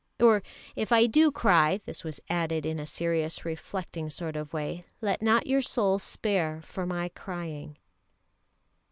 Or if I do cry" (this was added in a serious, reflecting sort of way), "let not your soul spare for my crying!"